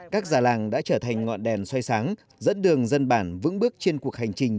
các già làng đã trở thành ngọn đèn xoay sáng dẫn đường dân bản vững bước trên cuộc hành trình